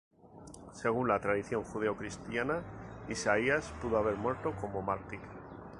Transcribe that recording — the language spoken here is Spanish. Según la tradición judeocristiana, Isaías pudo haber muerto como mártir.